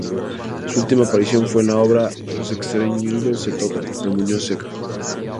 Su última aparición fue en la obra "Los extremeños se tocan" de Muñoz Seca.